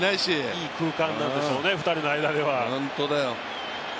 いい空間なんでしょうね、２人の間では。